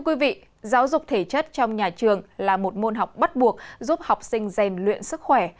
quý vị giáo dục thể chất trong nhà trường là một môn học bắt buộc giúp học sinh rèn luyện sức khỏe